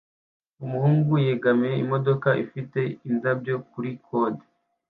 Umuhungu yegamiye imodoka ifite indabyo kuri kode